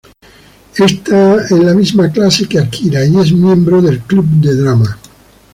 Está en la misma clase que Akira y es miembro del club de drama.